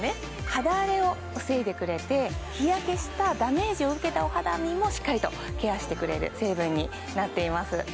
肌荒れを防いでくれて日焼けしたダメージを受けたお肌にもしっかりとケアしてくれる成分になっています